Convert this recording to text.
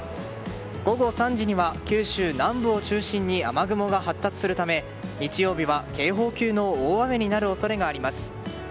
午後３時には九州南部を中心に雨雲が発達するため日曜日は警報級の大雨になる恐れがあります。